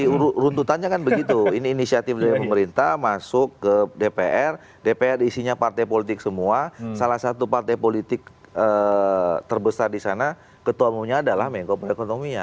jadi runtutannya kan begitu ini inisiatif dari pemerintah masuk ke dpr dpr diisinya partai politik semua salah satu partai politik terbesar di sana ketua umumnya adalah mengkop rekonominya